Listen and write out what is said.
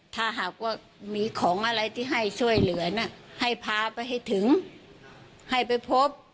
ถ้าหากว่ามีของอะไรที่ให้ช่วยเหลือนะให้พาไปให้ถึงให้ไปพบ